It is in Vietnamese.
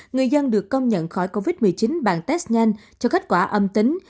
người dân được công nhận khỏi covid một mươi chín bằng test nhanh cho kết quả âm tính